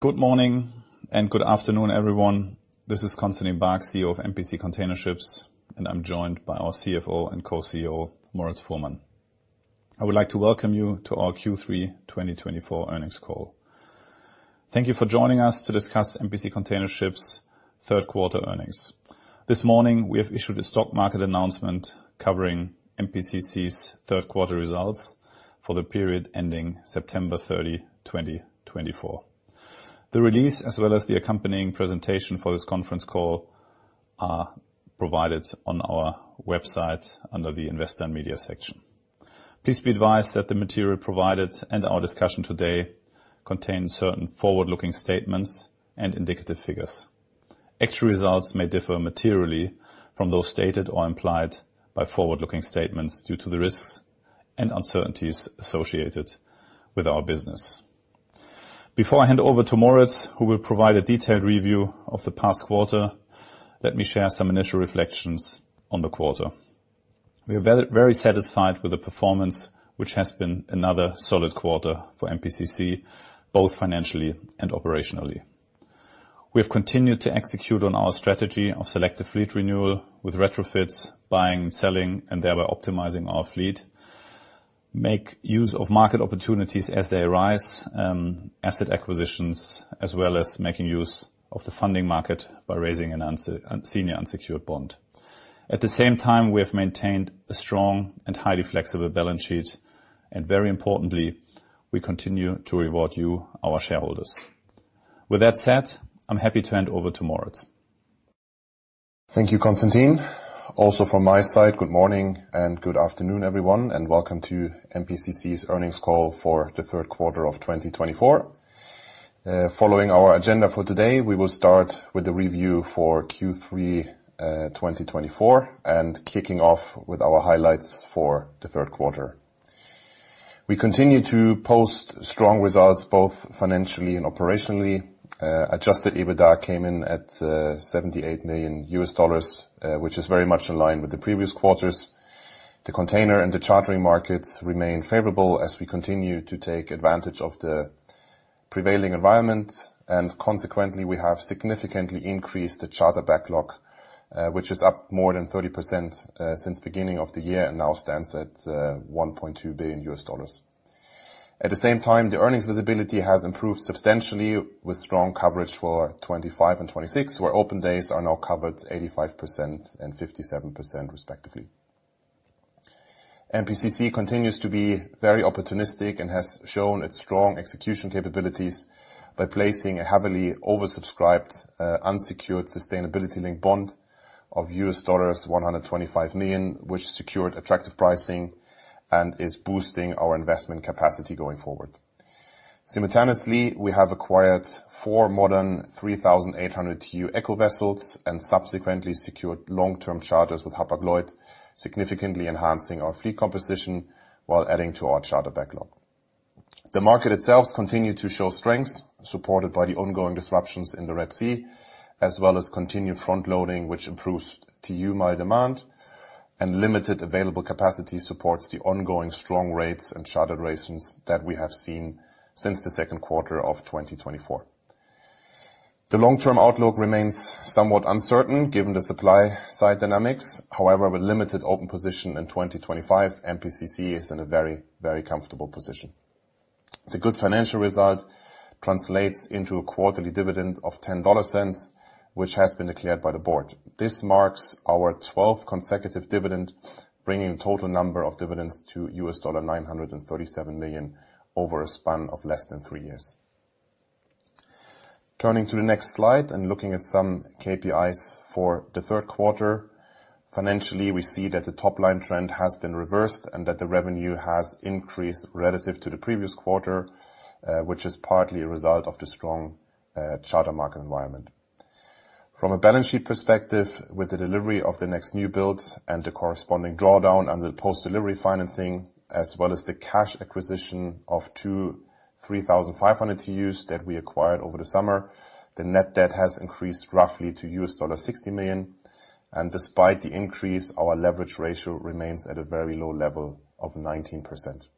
Good morning and good afternoon, everyone. This is Constantin Baack, CEO of MPC Container Ships, and I'm joined by our CFO and co-CEO, Moritz Fuhrmann. I would like to welcome you to our Q3 2024 earnings call. Thank you for joining us to discuss MPC Container Ships' third-quarter earnings. This morning, we have issued a stock market announcement covering MPC's third-quarter results for the period ending September 30, 2024. The release, as well as the accompanying presentation for this conference call, are provided on our website under the Investor and Media section. Please be advised that the material provided and our discussion today contain certain forward-looking statements and indicative figures. Actual results may differ materially from those stated or implied by forward-looking statements due to the risks and uncertainties associated with our business. Before I hand over to Moritz, who will provide a detailed review of the past quarter, let me share some initial reflections on the quarter. We are very satisfied with the performance, which has been another solid quarter for MPC, both financially and operationally. We have continued to execute on our strategy of selective fleet renewal with retrofits, buying and selling, and thereby optimizing our fleet, make use of market opportunities as they arise, asset acquisitions, as well as making use of the funding market by raising a senior unsecured bond. At the same time, we have maintained a strong and highly flexible balance sheet, and very importantly, we continue to reward you, our shareholders. With that said, I'm happy to hand over to Moritz. Thank you, Constantin. Also from my side, good morning and good afternoon, everyone, and welcome to MPC's earnings call for the third quarter of 2024. Following our agenda for today, we will start with the review for Q3 2024 and kicking off with our highlights for the third quarter. We continue to post strong results, both financially and operationally. Adjusted EBITDA came in at $78 million, which is very much in line with the previous quarters. The container and the chartering markets remain favorable as we continue to take advantage of the prevailing environment, and consequently, we have significantly increased the charter backlog, which is up more than 30% since the beginning of the year and now stands at $1.2 billion. At the same time, the earnings visibility has improved substantially with strong coverage for 2025 and 2026, where open days are now covered 85% and 57%, respectively. MPC continues to be very opportunistic and has shown its strong execution capabilities by placing a heavily oversubscribed, unsecured sustainability-linked bond of $125 million, which secured attractive pricing and is boosting our investment capacity going forward. Simultaneously, we have acquired four modern 3,800 TEU ECO vessels and subsequently secured long-term charters with Hapag-Lloyd, significantly enhancing our fleet composition while adding to our charter backlog. The market itself continued to show strength, supported by the ongoing disruptions in the Red Sea, as well as continued front-loading, which improves TEU mile demand, and limited available capacity supports the ongoing strong rates and charter ratings that we have seen since the second quarter of 2024. The long-term outlook remains somewhat uncertain given the supply-side dynamics. However, with limited open position in 2025, MPC is in a very, very comfortable position. The good financial result translates into a quarterly dividend of $0.10, which has been declared by the board. This marks our 12th consecutive dividend, bringing a total number of dividends to $ million over a span of less than three years. Turning to the next slide and looking at some KPIs for the third quarter, financially, we see that the top-line trend has been reversed and that the revenue has increased relative to the previous quarter, which is partly a result of the strong charter market environment. From a balance sheet perspective, with the delivery of the next new build and the corresponding drawdown under the post-delivery financing, as well as the cash acquisition of two 3,500 TEUs that we acquired over the summer, the net debt has increased roughly to $60 million, and despite the increase, our leverage ratio remains at a very low level of 19%.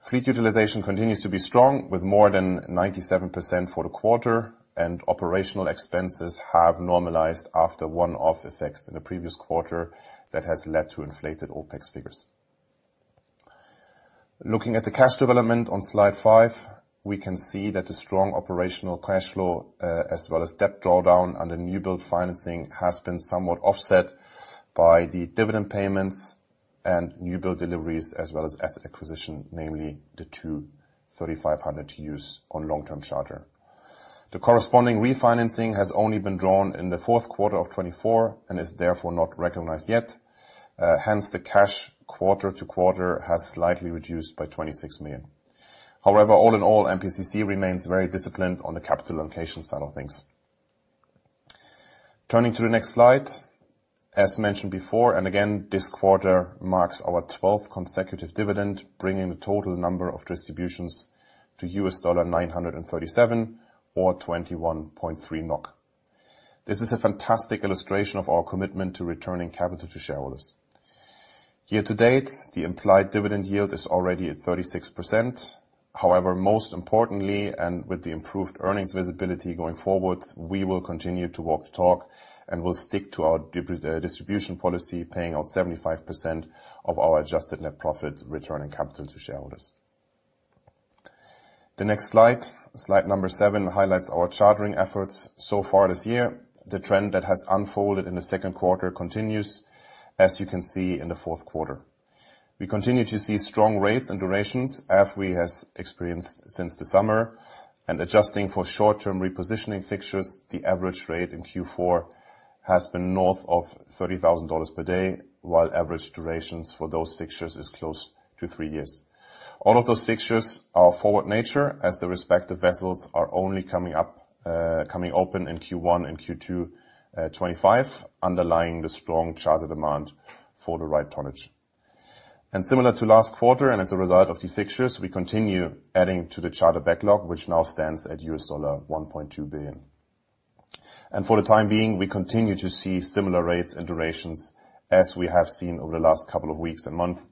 Fleet utilization continues to be strong, with more than 97% for the quarter, and operational expenses have normalized after one-off effects in the previous quarter that has led to inflated OpEx figures. Looking at the cash development on slide five, we can see that the strong operational cash flow, as well as debt drawdown under new build financing, has been somewhat offset by the dividend payments and new build deliveries, as well as asset acquisition, namely the two 3,500 TEUs on long-term charter. The corresponding refinancing has only been drawn in the fourth quarter of 2024 and is therefore not recognized yet. Hence, the cash quarter to quarter has slightly reduced by $26 million. However, all in all, MPC remains very disciplined on the capital allocation side of things. Turning to the next slide, as mentioned before, and again, this quarter marks our 12th consecutive dividend, bringing the total number of distributions to $937 or 21.3 NOK. This is a fantastic illustration of our commitment to returning capital to shareholders. Year to date, the implied dividend yield is already at 36%. However, most importantly, and with the improved earnings visibility going forward, we will continue to walk the talk and will stick to our distribution policy, paying out 75% of our adjusted net profit returning capital to shareholders. The next slide, slide number seven, highlights our chartering efforts so far this year. The trend that has unfolded in the second quarter continues, as you can see in the fourth quarter. We continue to see strong rates and durations, as we have experienced since the summer, and adjusting for short-term repositioning fixtures, the average rate in Q4 has been north of $30,000 per day, while average durations for those fixtures are close to three years. All of those fixtures are forward nature, as the respective vessels are only coming open in Q1 and Q2 2025, underlying the strong charter demand for the right tonnage, and similar to last quarter and as a result of the fixtures, we continue adding to the charter backlog, which now stands at $1.2 billion. For the time being, we continue to see similar rates and durations, as we have seen over the last couple of weeks and months,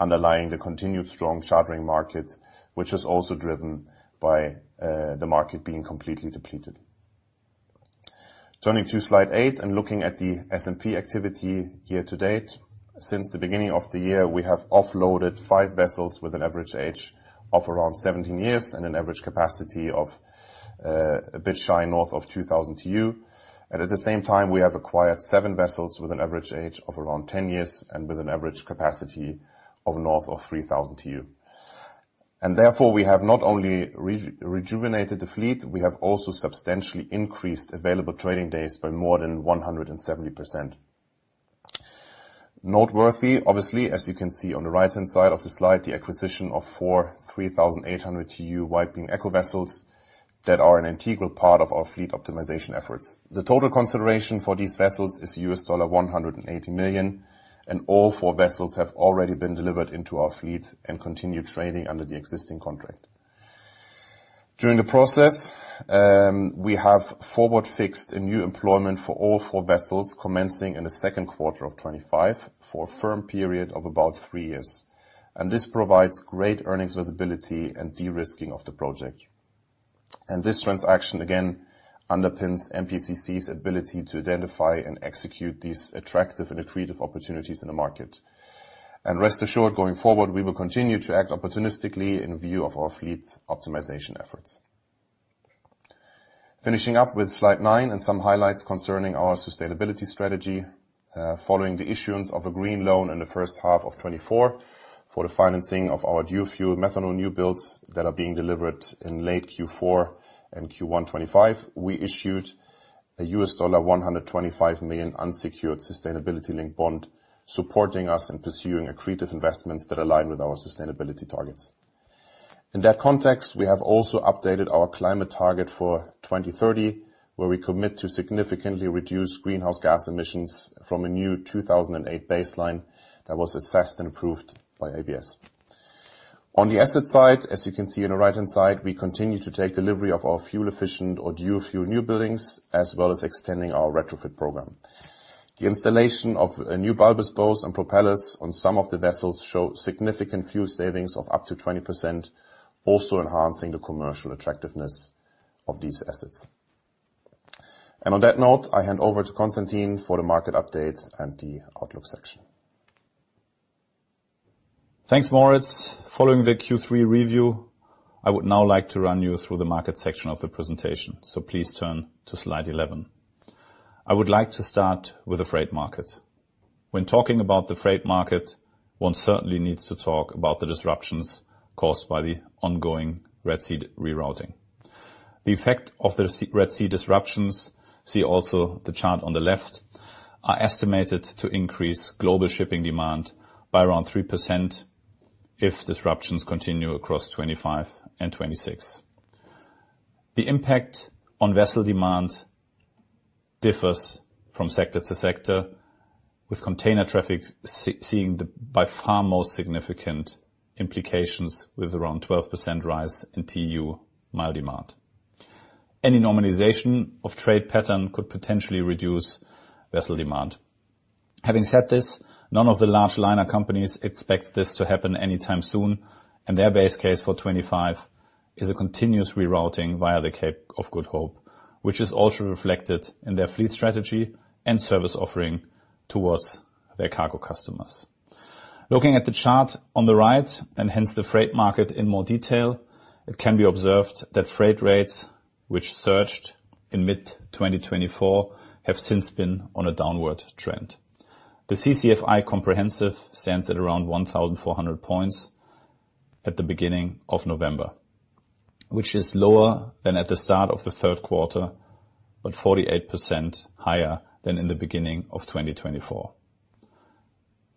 underlying the continued strong chartering market, which is also driven by the market being completely depleted. Turning to slide eight and looking at the S&P activity year to date, since the beginning of the year, we have offloaded five vessels with an average age of around 17 years and an average capacity of a bit shy north of 2,000 TEU. At the same time, we have acquired seven vessels with an average age of around 10 years and with an average capacity of north of 3,000 TEU. Therefore, we have not only rejuvenated the fleet, we have also substantially increased available trading days by more than 170%. Noteworthy, obviously, as you can see on the right-hand side of the slide, the acquisition of four 3,800 TEU wide-beam ECO vessels that are an integral part of our fleet optimization efforts. The total consideration for these vessels is $180 million, and all four vessels have already been delivered into our fleet and continue trading under the existing contract. During the process, we have forward-fixed a new employment for all four vessels, commencing in the second quarter of 2025 for a firm period of about three years. And this provides great earnings visibility and de-risking of the project. And this transaction, again, underpins MPC's ability to identify and execute these attractive and accretive opportunities in the market. And rest assured, going forward, we will continue to act opportunistically in view of our fleet optimization efforts. Finishing up with slide nine and some highlights concerning our sustainability strategy, following the issuance of a green loan in the first half of 2024 for the financing of our dual-fuel methanol new builds that are being delivered in late Q4 and Q1 2025, we issued a $125 million unsecured sustainability-linked bond supporting us in pursuing accretive investments that align with our sustainability targets. In that context, we have also updated our climate target for 2030, where we commit to significantly reduce greenhouse gas emissions from a new 2008 baseline that was assessed and approved by ABS. On the asset side, as you can see on the right-hand side, we continue to take delivery of our fuel-efficient or dual-fuel new buildings, as well as extending our retrofit program. The installation of new bulbous bows and propellers on some of the vessels shows significant fuel savings of up to 20%, also enhancing the commercial attractiveness of these assets. And on that note, I hand over to Constantin for the market update and the outlook section. Thanks, Moritz. Following the Q3 review, I would now like to run you through the market section of the presentation, so please turn to slide 11. I would like to start with the freight market. When talking about the freight market, one certainly needs to talk about the disruptions caused by the ongoing Red Sea rerouting. The effect of the Red Sea disruptions, see also the chart on the left, are estimated to increase global shipping demand by around 3% if disruptions continue across 2025 and 2026. The impact on vessel demand differs from sector to sector, with container traffic seeing the by far most significant implications with around 12% rise in TEU mile demand. Any normalization of trade pattern could potentially reduce vessel demand. Having said this, none of the large liner companies expect this to happen anytime soon, and their base case for 2025 is a continuous rerouting via the Cape of Good Hope, which is also reflected in their fleet strategy and service offering towards their cargo customers. Looking at the chart on the right, and hence the freight market in more detail, it can be observed that freight rates, which surged in mid-2024, have since been on a downward trend. The CCFI comprehensive stands at around 1,400 points at the beginning of November, which is lower than at the start of the third quarter, but 48% higher than in the beginning of 2024,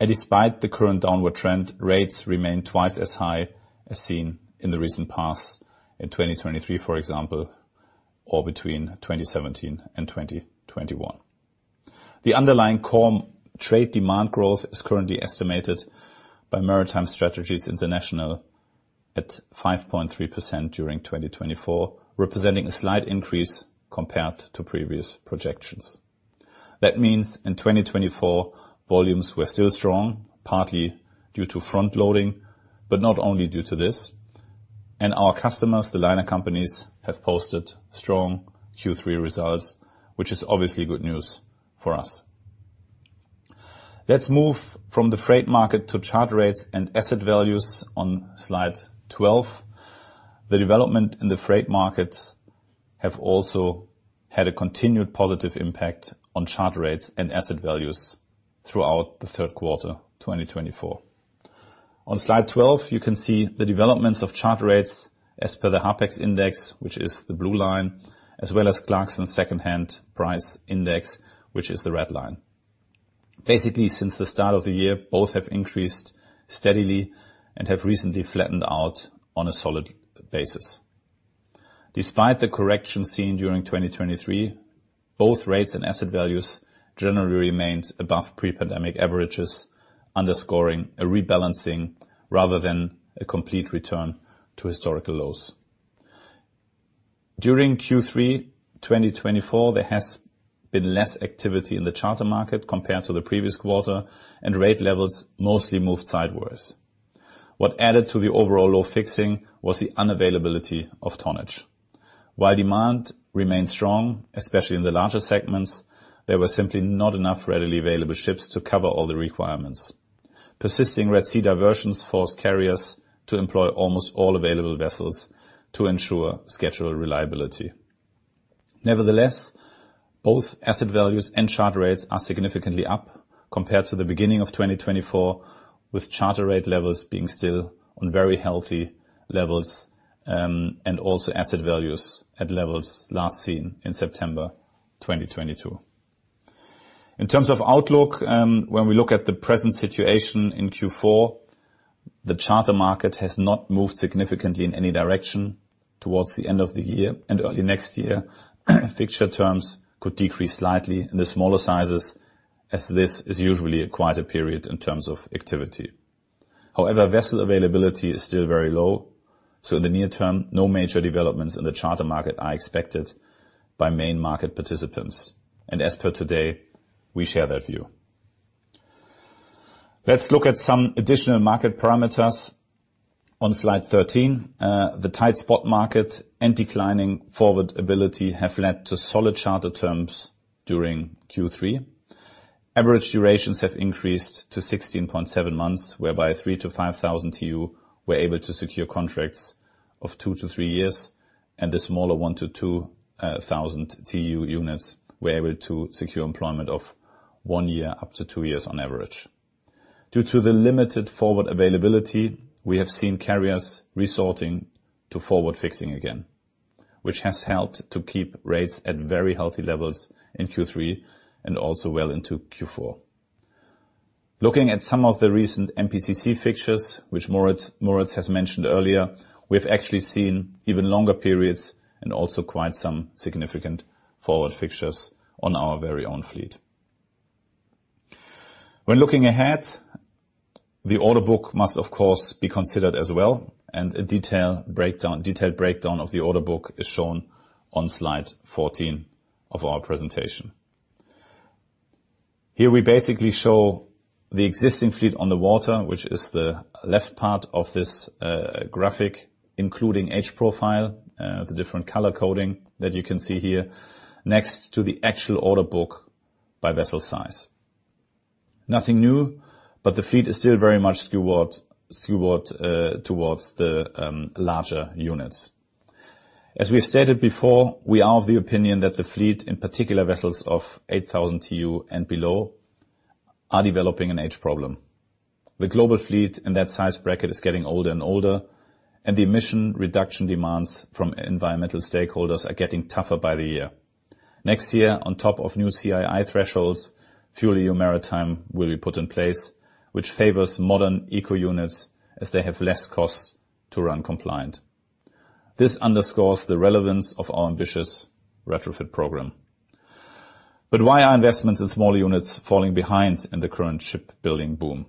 and despite the current downward trend, rates remain twice as high as seen in the recent past in 2023, for example, or between 2017 and 2021. The underlying core trade demand growth is currently estimated by Maritime Strategies International at 5.3% during 2024, representing a slight increase compared to previous projections. That means in 2024, volumes were still strong, partly due to front-loading, but not only due to this, and our customers, the liner companies, have posted strong Q3 results, which is obviously good news for us. Let's move from the freight market to charter rates and asset values on slide 12. The development in the freight markets has also had a continued positive impact on charter rates and asset values throughout the third quarter 2024. On slide 12, you can see the developments of charter rates as per the Harpex index, which is the blue line, as well as Clarksons second-hand price index, which is the red line. Basically, since the start of the year, both have increased steadily and have recently flattened out on a solid basis. Despite the correction seen during 2023, both rates and asset values generally remained above pre-pandemic averages, underscoring a rebalancing rather than a complete return to historical lows. During Q3 2024, there has been less activity in the charter market compared to the previous quarter, and rate levels mostly moved sideways. What added to the overall low fixing was the unavailability of tonnage. While demand remained strong, especially in the larger segments, there were simply not enough readily available ships to cover all the requirements. Persisting Red Sea diversions forced carriers to employ almost all available vessels to ensure schedule reliability. Nevertheless, both asset values and charter rates are significantly up compared to the beginning of 2024, with charter rate levels being still on very healthy levels and also asset values at levels last seen in September 2022. In terms of outlook, when we look at the present situation in Q4, the charter market has not moved significantly in any direction towards the end of the year and early next year. Fixture terms could decrease slightly in the smaller sizes, as this is usually a quiet period in terms of activity. However, vessel availability is still very low, so in the near term, no major developments in the charter market are expected by main market participants, and as per today, we share that view. Let's look at some additional market parameters. On slide 13, the tight spot market and declining forward visibility have led to solid charter terms during Q3. Average durations have increased to 16.7 months, whereby 3-5,000 TEU were able to secure contracts of two to three years, and the smaller 1-2,000 TEU units were able to secure employment of one year up to two years on average. Due to the limited forward availability, we have seen carriers resorting to forward fixing again, which has helped to keep rates at very healthy levels in Q3 and also well into Q4. Looking at some of the recent MPCC fixtures, which Moritz has mentioned earlier, we have actually seen even longer periods and also quite some significant forward fixtures on our very own fleet. When looking ahead, the order book must, of course, be considered as well, and a detailed breakdown of the order book is shown on slide 14 of our presentation. Here we basically show the existing fleet on the water, which is the left part of this graphic, including age profile, the different color coding that you can see here, next to the actual order book by vessel size. Nothing new, but the fleet is still very much skewed towards the larger units. As we've stated before, we are of the opinion that the fleet, in particular vessels of 8,000 TEU and below, are developing an age problem. The global fleet in that size bracket is getting older and older, and the emission reduction demands from environmental stakeholders are getting tougher by the year. Next year, on top of new CII thresholds, FuelEU Maritime will be put in place, which favors modern eco units as they have less costs to run compliant. This underscores the relevance of our ambitious retrofit program. But why are investments in smaller units falling behind in the current shipbuilding boom?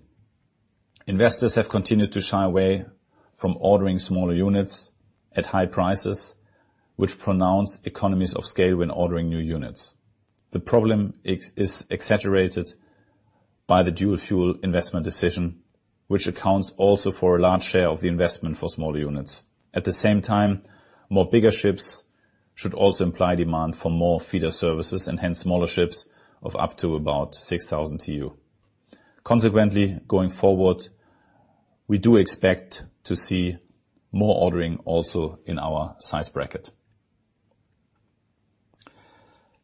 Investors have continued to shy away from ordering smaller units at high prices, which pronounce economies of scale when ordering new units. The problem is exaggerated by the dual-fuel investment decision, which accounts also for a large share of the investment for smaller units. At the same time, more bigger ships should also imply demand for more feeder services and hence smaller ships of up to about 6,000 TEU. Consequently, going forward, we do expect to see more ordering also in our size bracket.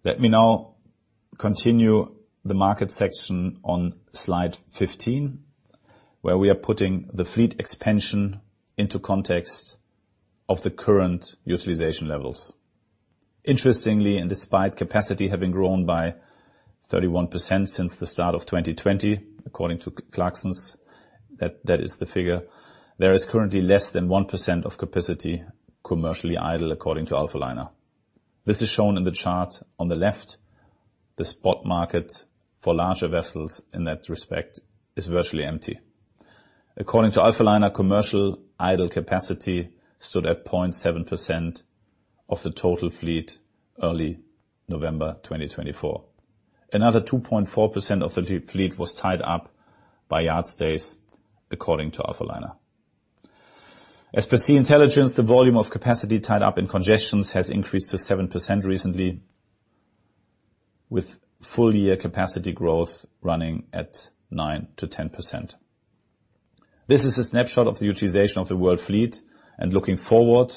Let me now continue the market section on slide 15, where we are putting the fleet expansion into context of the current utilization levels. Interestingly, and despite capacity having grown by 31% since the start of 2020, according to Clarksons, that is the figure, there is currently less than 1% of capacity commercially idle according to Alphaliner. This is shown in the chart on the left. The spot market for larger vessels in that respect is virtually empty. According to Alphaliner, commercial idle capacity stood at 0.7% of the total fleet early November 2024. Another 2.4% of the fleet was tied up by yard stays, according to Alphaliner. As per Sea-Intelligence, the volume of capacity tied up in congestions has increased to 7% recently, with full-year capacity growth running at 9%-10%. This is a snapshot of the utilization of the world fleet and looking forward,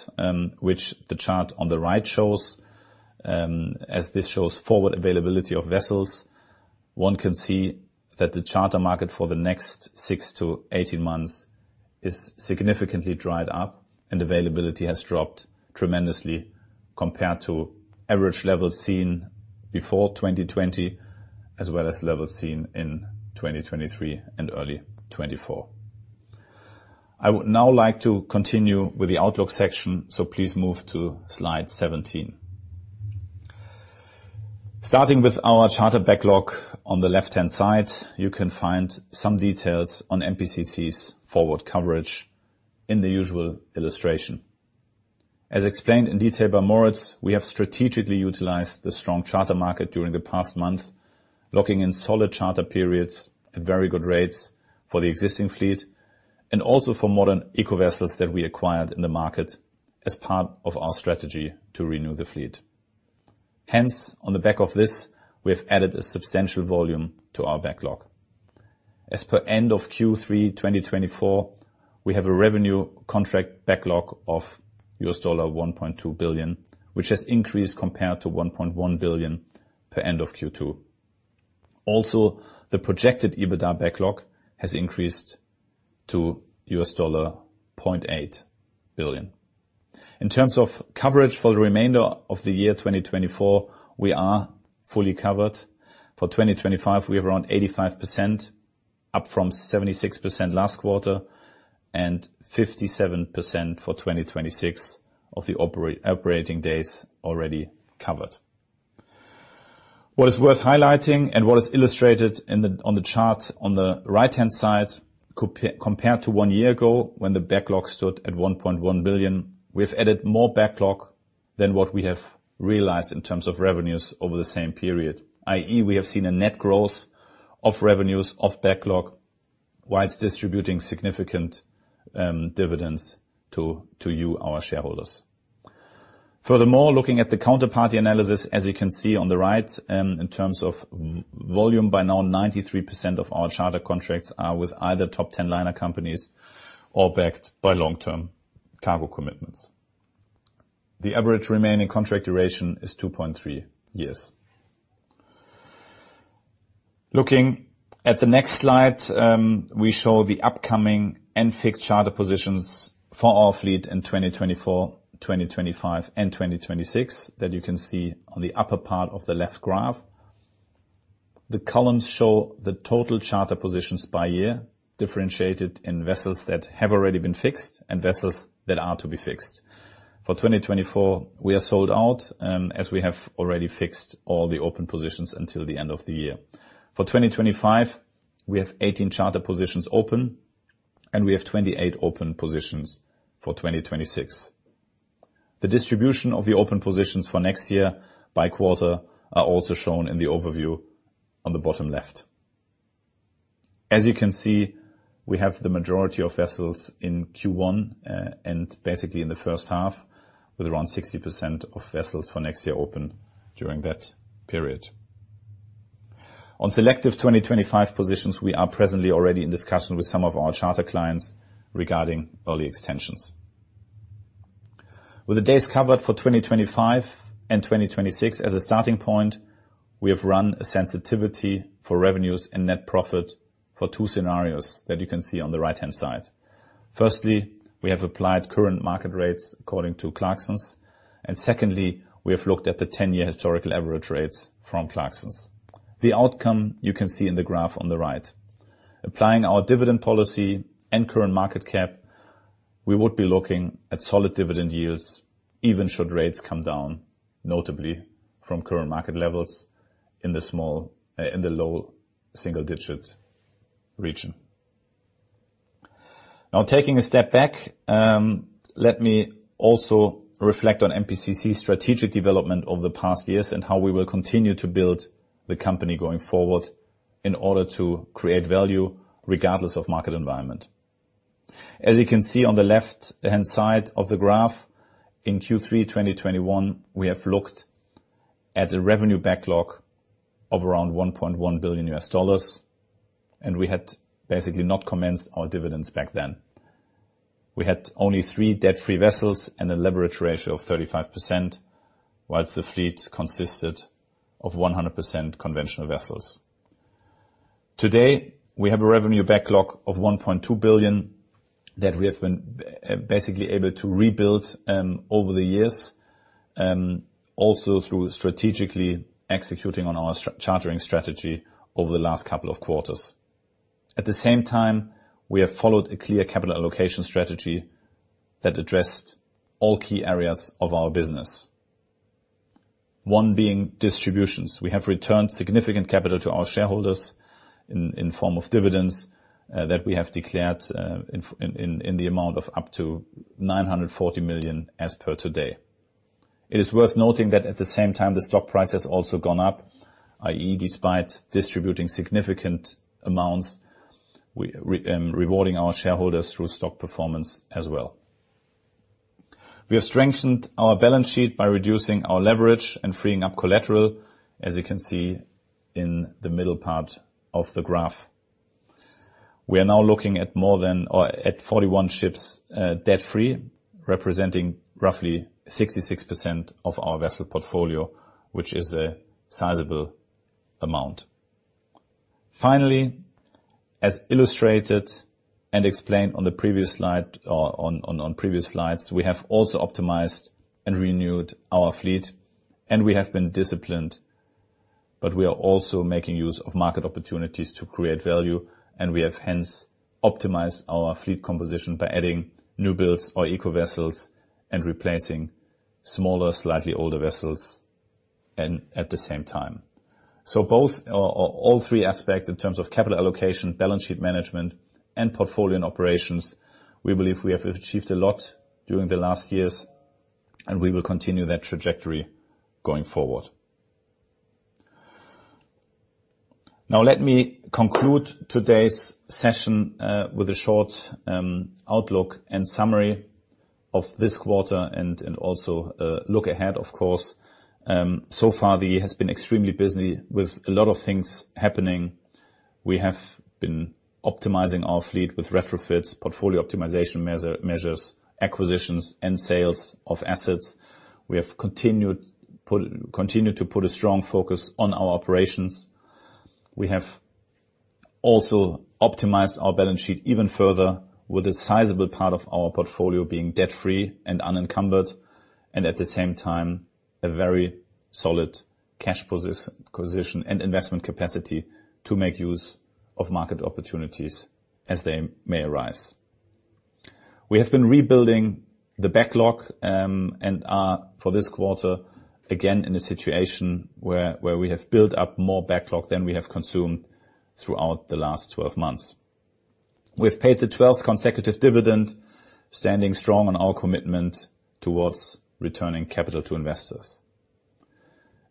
which the chart on the right shows. As this shows forward availability of vessels, one can see that the charter market for the next 6 to 18 months is significantly dried up, and availability has dropped tremendously compared to average levels seen before 2020, as well as levels seen in 2023 and early 2024. I would now like to continue with the outlook section, so please move to slide 17. Starting with our charter backlog on the left-hand side, you can find some details on MPCC's forward coverage in the usual illustration. As explained in detail by Moritz, we have strategically utilized the strong charter market during the past month, locking in solid charter periods at very good rates for the existing fleet and also for modern eco vessels that we acquired in the market as part of our strategy to renew the fleet. Hence, on the back of this, we have added a substantial volume to our backlog. As per end of Q3 2024, we have a revenue contract backlog of $1.2 billion, which has increased compared to $1.1 billion per end of Q2. Also, the projected EBITDA backlog has increased to $0.8 billion. In terms of coverage for the remainder of the year 2024, we are fully covered. For 2025, we have around 85%, up from 76% last quarter and 57% for 2026 of the operating days already covered. What is worth highlighting and what is illustrated on the chart on the right-hand side, compared to one year ago when the backlog stood at $1.1 billion, we have added more backlog than what we have realized in terms of revenues over the same period, i.e., we have seen a net growth of revenues of backlog while distributing significant dividends to you, our shareholders. Furthermore, looking at the counterparty analysis, as you can see on the right, in terms of volume, by now 93% of our charter contracts are with either top 10 liner companies or backed by long-term cargo commitments. The average remaining contract duration is 2.3 years. Looking at the next slide, we show the upcoming and fixed charter positions for our fleet in 2024, 2025, and 2026 that you can see on the upper part of the left graph. The columns show the total charter positions by year, differentiated in vessels that have already been fixed and vessels that are to be fixed. For 2024, we are sold out as we have already fixed all the open positions until the end of the year. For 2025, we have 18 charter positions open, and we have 28 open positions for 2026. The distribution of the open positions for next year by quarter is also shown in the overview on the bottom left. As you can see, we have the majority of vessels in Q1 and basically in the first half, with around 60% of vessels for next year open during that period. On selective 2025 positions, we are presently already in discussion with some of our charter clients regarding early extensions. With the days covered for 2025 and 2026 as a starting point, we have run a sensitivity for revenues and net profit for two scenarios that you can see on the right-hand side. Firstly, we have applied current market rates according to Clarksons, and secondly, we have looked at the 10-year historical average rates from Clarksons. The outcome you can see in the graph on the right. Applying our dividend policy and current market cap, we would be looking at solid dividend yields, even should rates come down notably from current market levels in the low single-digit region. Now, taking a step back, let me also reflect on MPCC's strategic development over the past years and how we will continue to build the company going forward in order to create value regardless of market environment. As you can see on the left-hand side of the graph, in Q3 2021, we have looked at a revenue backlog of around $1.1 billion, and we had basically not commenced our dividends back then. We had only three debt-free vessels and a leverage ratio of 35%, while the fleet consisted of 100% conventional vessels. Today, we have a revenue backlog of $1.2 billion that we have been basically able to rebuild over the years, also through strategically executing on our chartering strategy over the last couple of quarters. At the same time, we have followed a clear capital allocation strategy that addressed all key areas of our business, one being distributions. We have returned significant capital to our shareholders in the form of dividends that we have declared in the amount of up to $940 million as per today. It is worth noting that at the same time, the stock price has also gone up, i.e., despite distributing significant amounts, we are rewarding our shareholders through stock performance as well. We have strengthened our balance sheet by reducing our leverage and freeing up collateral, as you can see in the middle part of the graph. We are now looking at more than 41 ships debt-free, representing roughly 66% of our vessel portfolio, which is a sizable amount. Finally, as illustrated and explained on the previous slide, we have also optimized and renewed our fleet, and we have been disciplined, but we are also making use of market opportunities to create value, and we have hence optimized our fleet composition by adding new builds or eco vessels and replacing smaller, slightly older vessels at the same time. So all three aspects in terms of capital allocation, balance sheet management, and portfolio and operations, we believe we have achieved a lot during the last years, and we will continue that trajectory going forward. Now, let me conclude today's session with a short outlook and summary of this quarter and also a look ahead, of course. So far, the year has been extremely busy with a lot of things happening. We have been optimizing our fleet with retrofits, portfolio optimization measures, acquisitions, and sales of assets. We have continued to put a strong focus on our operations. We have also optimized our balance sheet even further, with a sizable part of our portfolio being debt-free and unencumbered, and at the same time, a very solid cash position and investment capacity to make use of market opportunities as they may arise. We have been rebuilding the backlog and are for this quarter again in a situation where we have built up more backlog than we have consumed throughout the last 12 months. We have paid the 12th consecutive dividend, standing strong on our commitment toward returning capital to investors.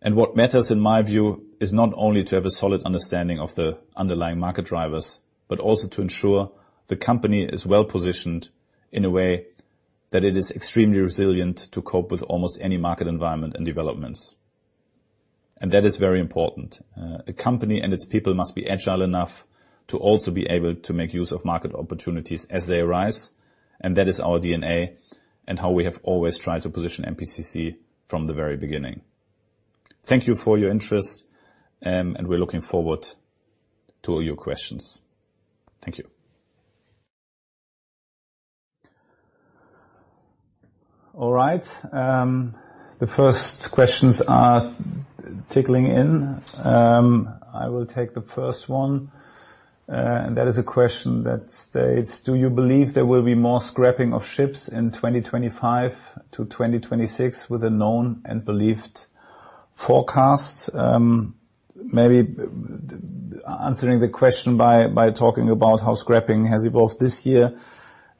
And what matters, in my view, is not only to have a solid understanding of the underlying market drivers, but also to ensure the company is well positioned in a way that it is extremely resilient to cope with almost any market environment and developments. And that is very important. A company and its people must be agile enough to also be able to make use of market opportunities as they arise, and that is our DNA and how we have always tried to position MPCC from the very beginning. Thank you for your interest, and we're looking forward to your questions. Thank you. All right. The first questions are tickling in. I will take the first one, and that is a question that states, "Do you believe there will be more scrapping of ships in 2025 to 2026 with a known and believed forecast?" Maybe answering the question by talking about how scrapping has evolved this year.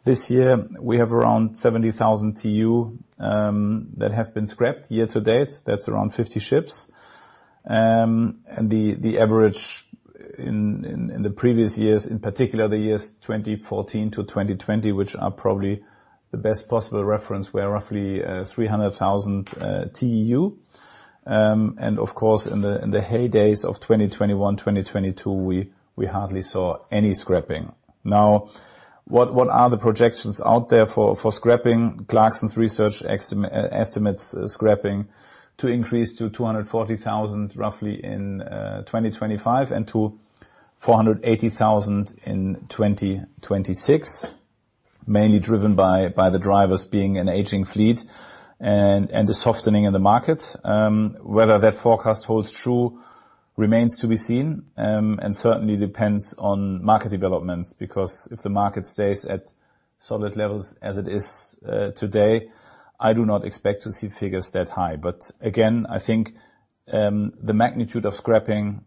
This year, we have around 70,000 TEU that have been scrapped year to date. That's around 50 ships. And the average in the previous years, in particular the years 2014 to 2020, which are probably the best possible reference, were roughly 300,000 TEU. And of course, in the heydays of 2021, 2022, we hardly saw any scrapping. Now, what are the projections out there for scrapping? Clarksons' research estimates scrapping to increase to 240,000 roughly in 2025 and to 480,000 in 2026, mainly driven by the drivers being an aging fleet and the softening in the markets. Whether that forecast holds true remains to be seen and certainly depends on market developments because if the market stays at solid levels as it is today, I do not expect to see figures that high. But again, I think the magnitude of scrapping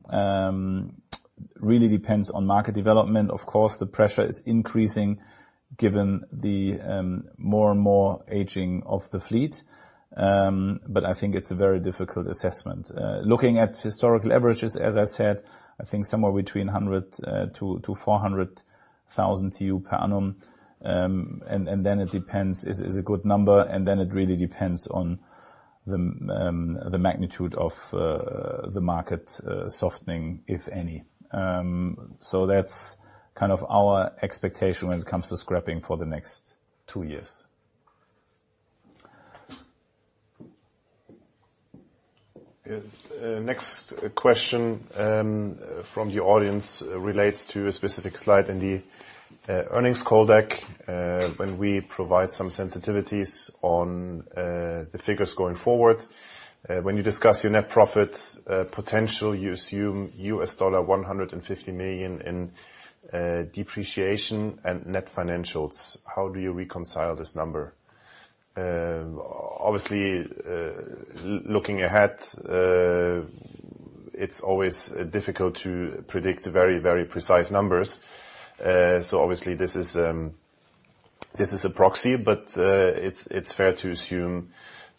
really depends on market development. Of course, the pressure is increasing given the more and more aging of the fleet, but I think it's a very difficult assessment. Looking at historical averages, as I said, I think somewhere between 100 to 400,000 TEU per annum, and then it depends. It is a good number, and then it really depends on the magnitude of the market softening, if any. That's kind of our expectation when it comes to scrapping for the next two years. Next question from the audience relates to a specific slide in the earnings call when we provide some sensitivities on the figures going forward. When you discuss your net profit potential, you assume $150 million in depreciation and net financials. How do you reconcile this number? Obviously, looking ahead, it's always difficult to predict very, very precise numbers. So obviously, this is a proxy, but it's fair to assume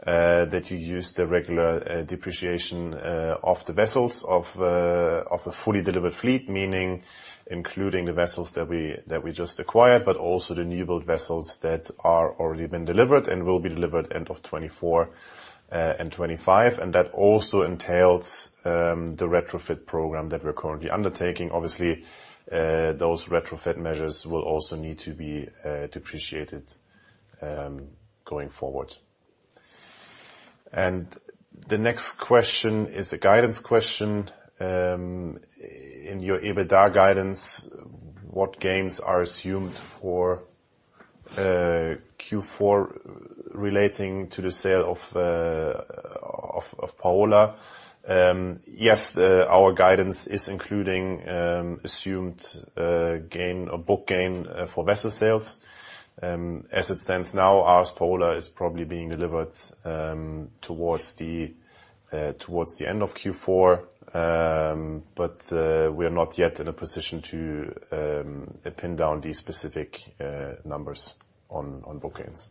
that you use the regular depreciation of the vessels of a fully delivered fleet, meaning including the vessels that we just acquired, but also the new build vessels that are already been delivered and will be delivered end of 2024 and 2025. And that also entails the retrofit program that we're currently undertaking. Obviously, those retrofit measures will also need to be depreciated going forward. And the next question is a guidance question. In your EBITDA guidance, what gains are assumed for Q4 relating to the sale of Paola? Yes, our guidance is including assumed book gain for vessel sales. As it stands now, AS PAOLA is probably being delivered towards the end of Q4, but we are not yet in a position to pin down these specific numbers on book gains.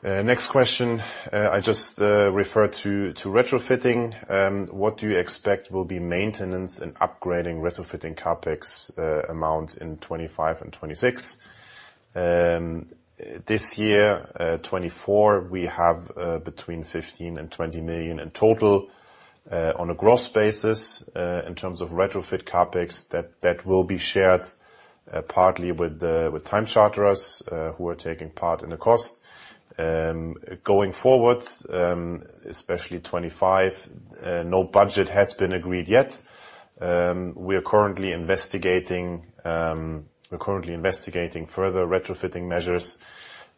Next question, I just referred to retrofitting. What do you expect will be maintenance and upgrading retrofitting capex amount in 2025 and 2026? This year, 2024, we have between $15 million and $20 million in total on a gross basis in terms of retrofit capex that will be shared partly with time charterers who are taking part in the cost. Going forward, especially 2025, no budget has been agreed yet. We are currently investigating further retrofitting measures,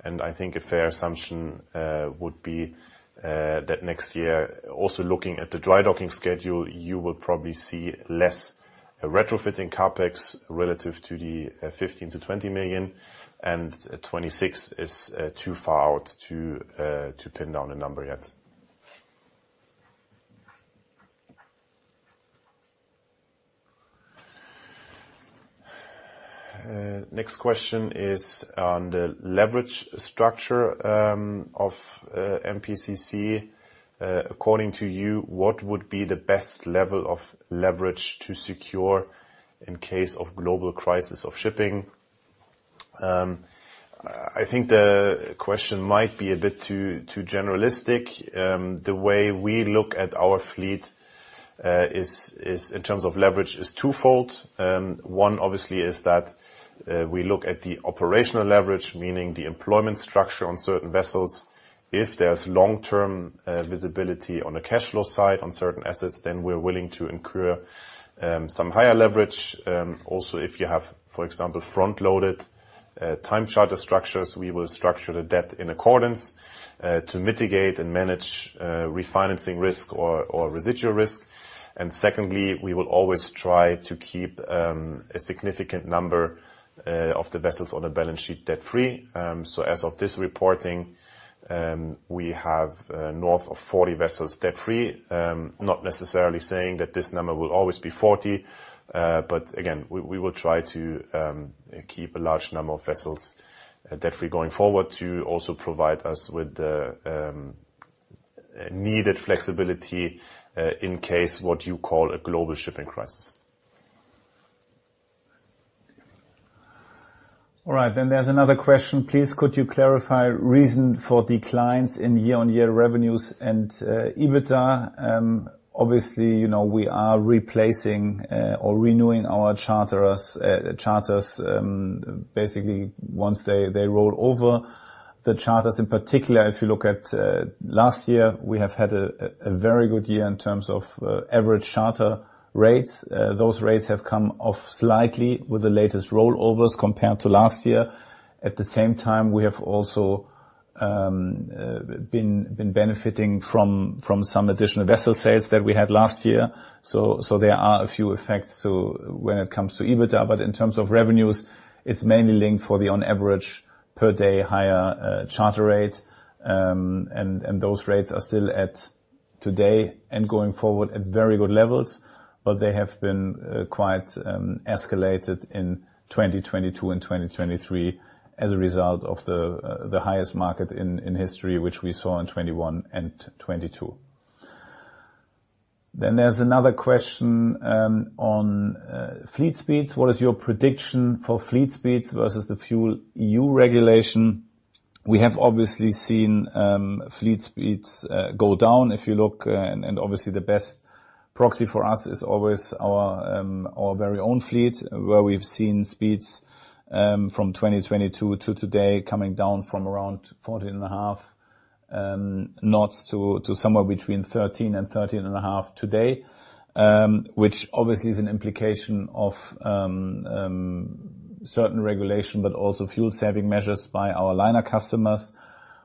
and I think a fair assumption would be that next year, also looking at the dry docking schedule, you will probably see less retrofitting costs relative to the $15-20 million, and 2026 is too far out to pin down a number yet. Next question is on the leverage structure of MPCC. According to you, what would be the best level of leverage to secure in case of global crisis of shipping? I think the question might be a bit too general. The way we look at our fleet in terms of leverage is twofold. One, obviously, is that we look at the operational leverage, meaning the employment structure on certain vessels. If there's long-term visibility on the cash flow side on certain assets, then we're willing to incur some higher leverage. Also, if you have, for example, front-loaded time charter structures, we will structure the debt in accordance to mitigate and manage refinancing risk or residual risk, and secondly, we will always try to keep a significant number of the vessels on the balance sheet debt-free, so as of this reporting, we have north of 40 vessels debt-free, not necessarily saying that this number will always be 40, but again, we will try to keep a large number of vessels debt-free going forward to also provide us with the needed flexibility in case of what you call a global shipping crisis. All right, then there's another question. Please, could you clarify the reason for declines in year-on-year revenues and EBITDA? Obviously, we are replacing or renewing our charters, basically, once they roll over the charters. In particular, if you look at last year, we have had a very good year in terms of average charter rates. Those rates have come off slightly with the latest rollovers compared to last year. At the same time, we have also been benefiting from some additional vessel sales that we had last year. So there are a few effects when it comes to EBITDA, but in terms of revenues, it's mainly linked for the on-average per day higher charter rate. And those rates are still at today and going forward at very good levels, but they have been quite escalated in 2022 and 2023 as a result of the highest market in history, which we saw in 2021 and 2022. Then there's another question on fleet speeds. What is your prediction for fleet speeds versus the FuelEU regulation? We have obviously seen fleet speeds go down if you look, and obviously, the best proxy for us is always our very own fleet, where we've seen speeds from 2022 to today coming down from around 14.5 knots to somewhere between 13 and 13.5 today, which obviously is an implication of certain regulation, but also fuel-saving measures by our liner customers.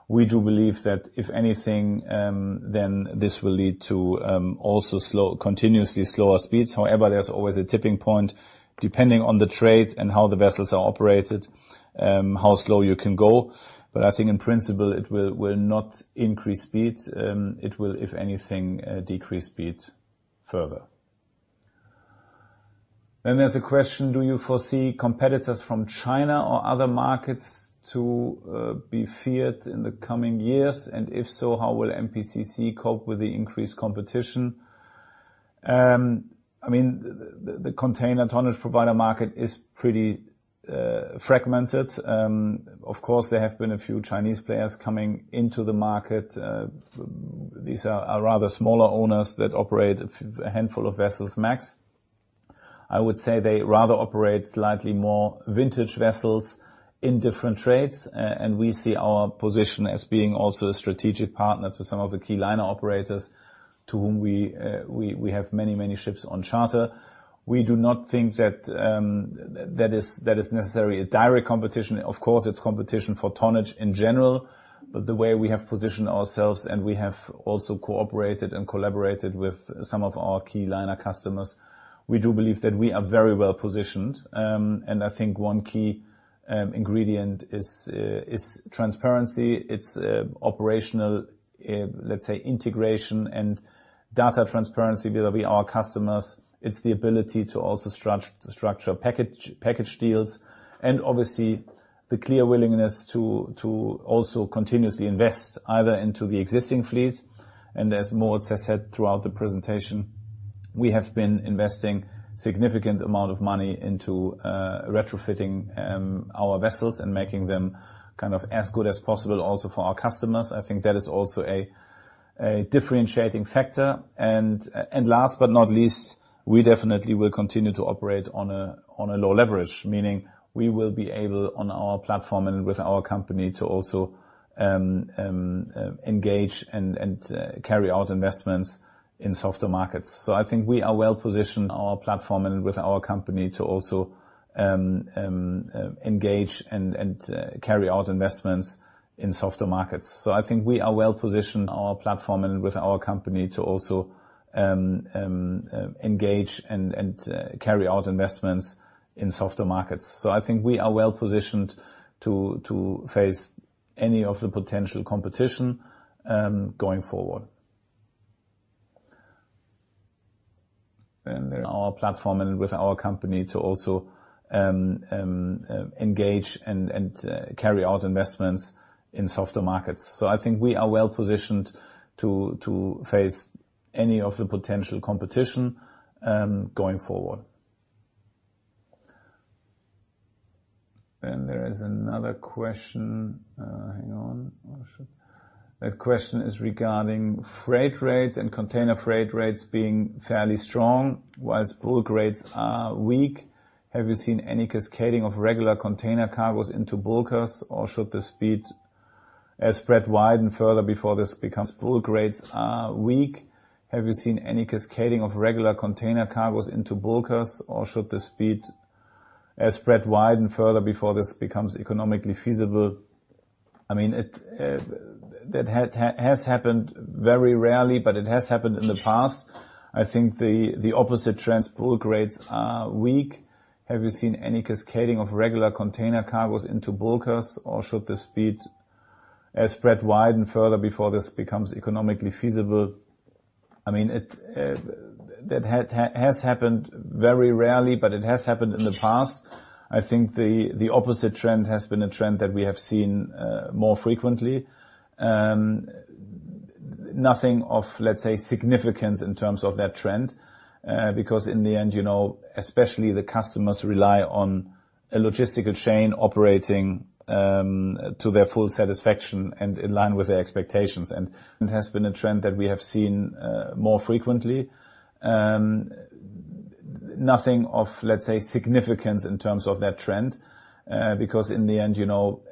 We do believe that if anything, then this will lead to also continuously slower speeds. However, there's always a tipping point depending on the trade and how the vessels are operated, how slow you can go. But I think in principle, it will not increase speeds. It will, if anything, decrease speeds further. Then there's a question. Do you foresee competitors from China or other markets to be feared in the coming years? If so, how will MPCC cope with the increased competition? I mean, the container tonnage provider market is pretty fragmented. Of course, there have been a few Chinese players coming into the market. These are rather smaller owners that operate a handful of vessels max. I would say they rather operate slightly more vintage vessels in different trades, and we see our position as being also a strategic partner to some of the key liner operators to whom we have many, many ships on charter. We do not think that that is necessarily a direct competition. Of course, it's competition for tonnage in general, but the way we have positioned ourselves and we have also cooperated and collaborated with some of our key liner customers, we do believe that we are very well positioned. I think one key ingredient is transparency. It's operational, let's say, integration and data transparency with our customers. It's the ability to also structure package deals and obviously the clear willingness to also continuously invest either into the existing fleet. And as Moritz has said throughout the presentation, we have been investing a significant amount of money into retrofitting our vessels and making them kind of as good as possible also for our customers. I think that is also a differentiating factor. And last but not least, we definitely will continue to operate on a low leverage, meaning we will be able on our platform and with our company to also engage and carry out investments in softer markets. So I think we are well positioned. Our platform and with our company to also engage and carry out investments in softer markets. So I think we are well positioned to face any of the potential competition going forward. Then there is another question. Hang on. That question is regarding freight rates and container freight rates being fairly strong while bulk rates are weak. Have you seen any cascading of regular container cargoes into bulkers, or should the speed spread widen further before this becomes economically feasible? I mean, that has happened very rarely, but it has happened in the past. I think the opposite. Bulk rates are weak. Have you seen any cascading of regular container cargoes into bulkers, or should the speed spread widen further before this becomes economically feasible? I think the opposite trend has been a trend that we have seen more frequently. Nothing of, let's say, significance in terms of that trend because in the end, especially the customers rely on a logistical chain operating to their full satisfaction and in line with their expectations, and has been a trend that we have seen more frequently. Nothing of, let's say, significance in terms of that trend because in the end,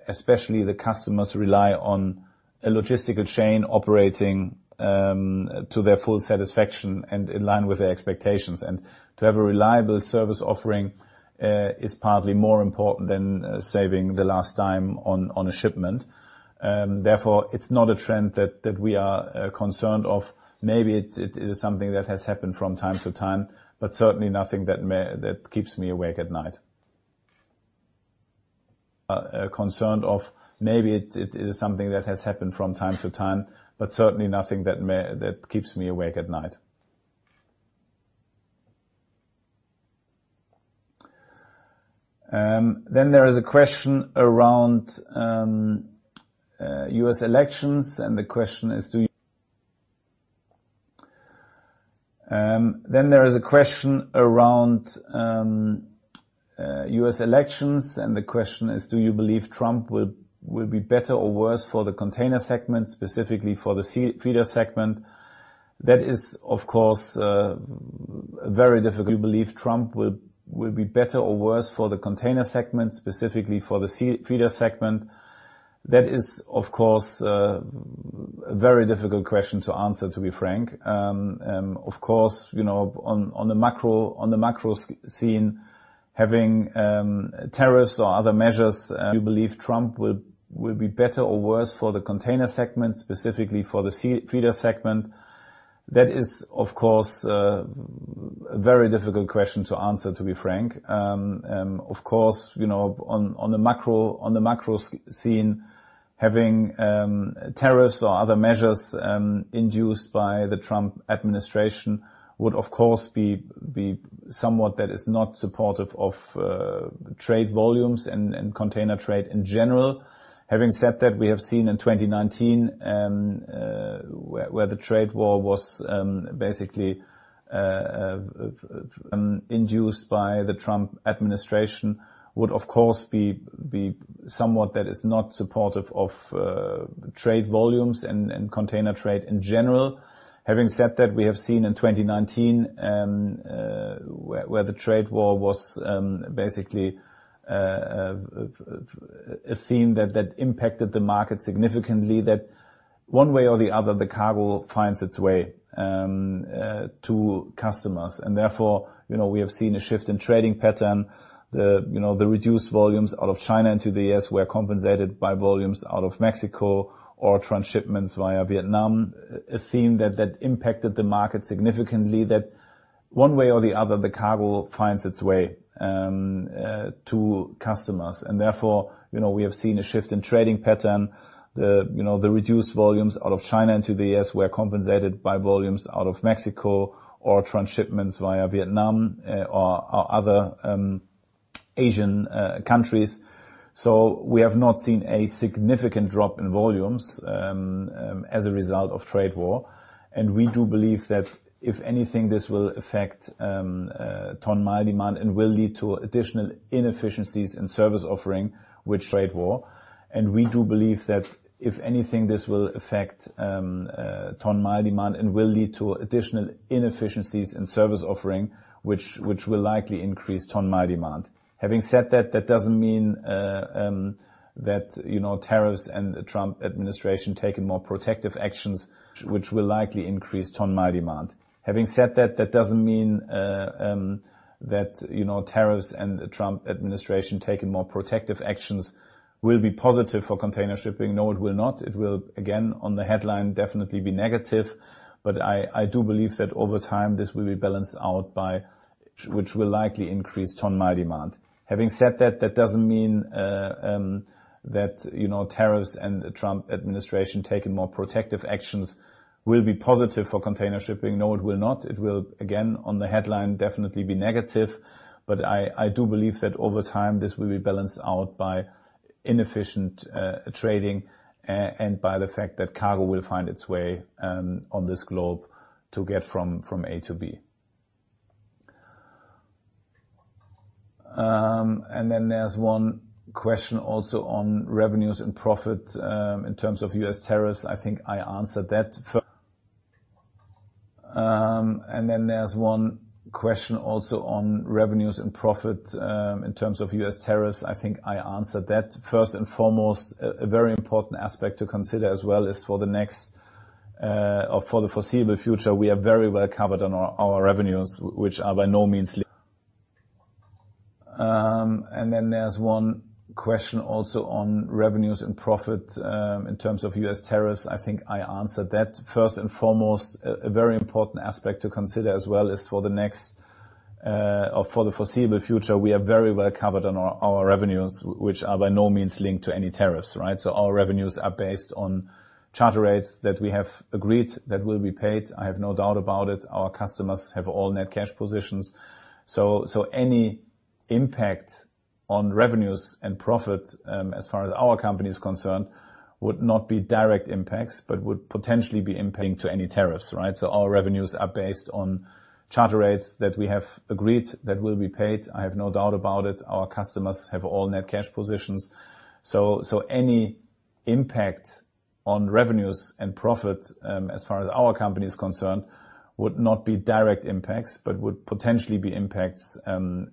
especially the customers rely on a logistical chain operating to their full satisfaction and in line with their expectations. And to have a reliable service offering is partly more important than saving the last dime on a shipment. Therefore, it's not a trend that we are concerned of. Maybe it is something that has happened from time to time, but certainly nothing that keeps me awake at night. Then there is a question around U.S. elections, and the question is, do you believe Trump will be better or worse for the container segment, specifically for the feeder segment? That is, of course, very difficult. Do you believe Trump will be better or worse for the container segment, specifically for the feeder segment? That is, of course, a very difficult question to answer, to be frank. Of course, on the macro scene, having tariffs or other measures induced by the Trump administration would, of course, be somewhat that is not supportive of trade volumes and container trade in general. Having said that, we have seen in 2019 where the trade war was basically induced by the Trump administration. Having said that, we have seen in 2019 where the trade war was basically a theme that impacted the market significantly, that one way or the other, the cargo finds its way to customers, and therefore, we have seen a shift in trading pattern. The reduced volumes out of China into the U.S. were compensated by volumes out of Mexico or transshipments via Vietnam or other Asian countries, so we have not seen a significant drop in volumes as a result of trade war. We do believe that if anything, this will affect ton-mile demand and will lead to additional inefficiencies in service offering, which will likely increase ton-mile demand. Having said that, that doesn't mean that tariffs and the Trump administration taken more protective actions will be positive for container shipping. No, it will not. It will, again, on the headline, definitely be negative, but I do believe that over time, this will be balanced out by which will likely increase ton-mile demand. No, it will not. It will, again, on the headline, definitely be negative, but I do believe that over time, this will be balanced out by inefficient trading and by the fact that cargo will find its way on this globe to get from A to B, and then there's one question also on revenues and profit in terms of U.S. tariffs. I think I answered that. First and foremost, a very important aspect to consider as well is for the next or for the foreseeable future, we are very well covered on our revenues, which are by no means. First and foremost, a very important aspect to consider as well is for the next or for the foreseeable future, we are very well covered on our revenues, which are by no means linked to any tariffs, right? So our revenues are based on charter rates that we have agreed that will be paid. I have no doubt about it. Our customers have all net cash positions. So any impact on revenues and profit as far as our company is concerned would not be direct impacts but would potentially be impacting to any tariffs, right? Any impact on revenues and profit as far as our company is concerned would not be direct impacts but would potentially be impacts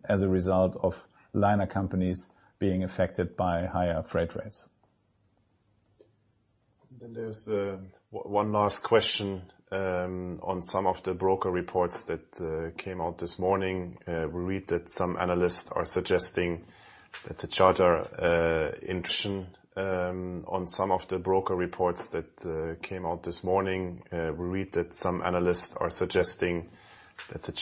as a result of liner companies being affected by higher freight rates. There is one last question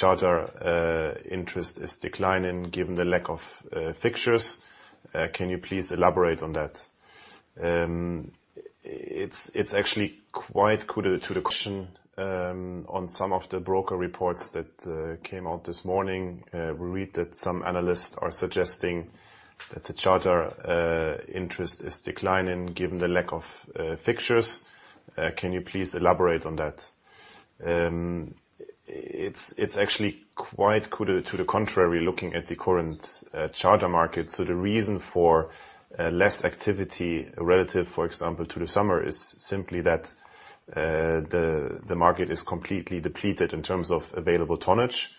on some of the broker reports that came out this morning. We read that some analysts are suggesting that the charter interest is declining given the lack of fixtures. Can you please elaborate on that? It's actually quite to the contrary looking at the current charter market, so the reason for less activity relative, for example, to the summer is simply that the market is completely depleted in terms of available tonnage.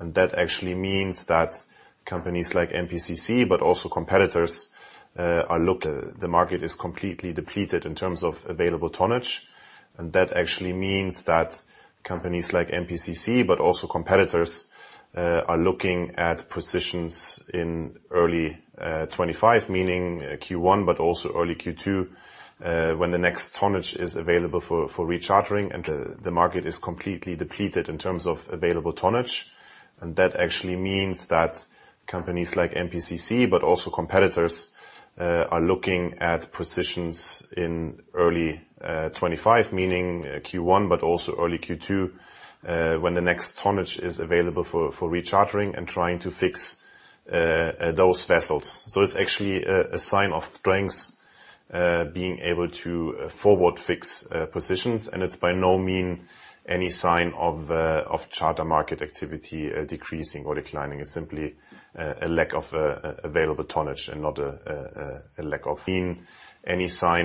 And that actually means that companies like MPCC, but also competitors, are looking at positions in early 2025, meaning Q1, but also early Q2 when the next tonnage is available for rechartering and trying to fix those vessels. It's actually a sign of strength being able to forward fix positions. And it's by no means any sign of charter market activity decreasing or declining. It's simply a lack of available tonnage and not a lack of activity.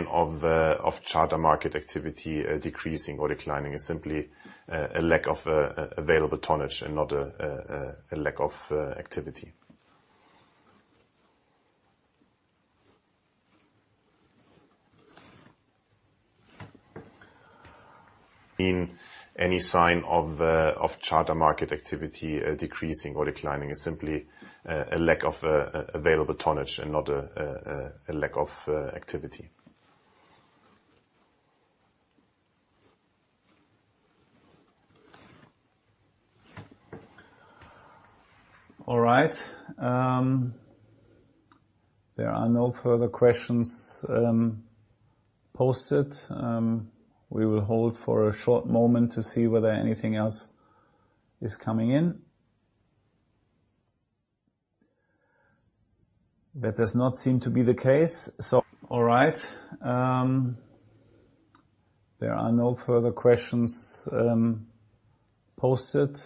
All right. There are no further questions posted.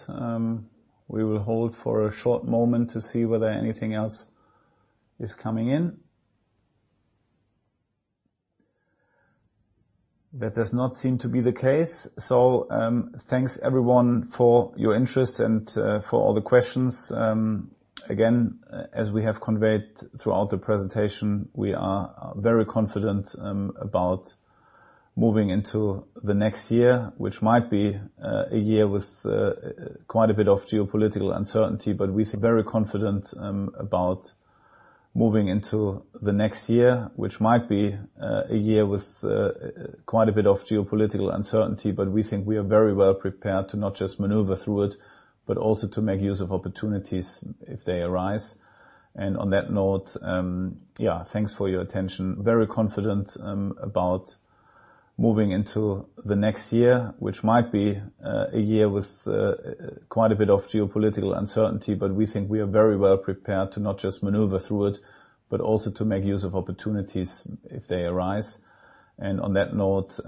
We will hold for a short moment to see whether anything else is coming in. That does not seem to be the case. So thanks, everyone, for your interest and for all the questions. Again, as we have conveyed throughout the presentation, we are very confident about moving into the next year, which might be a year with quite a bit of geopolitical uncertainty. But we think we are very well prepared to not just maneuver through it, but also to make use of opportunities if they arise. And on that note,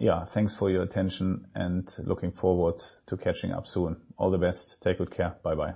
yeah, thanks for your attention. And on that note, yeah, thanks for your attention and looking forward to catching up soon. All the best. Take good care. Bye-bye.